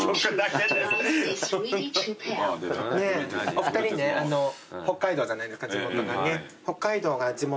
お二人ね北海道じゃないですか地元がね。